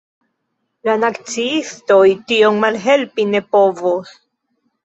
La naciistoj tion malhelpi ne povos.